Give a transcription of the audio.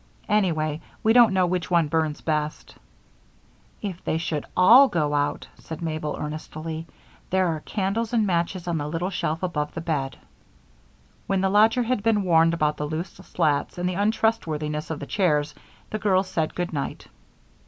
Anyway, we don't know which one burns best." "If they should all go out," said Mabel, earnestly, "there are candles and matches on the little shelf above the bed." When the lodger had been warned about the loose slats and the untrustworthiness of the chairs, the girls said good night.